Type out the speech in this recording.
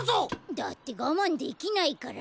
だってがまんできないから。